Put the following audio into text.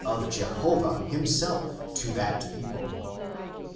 AXU of Jehovah himself to thax peopSe.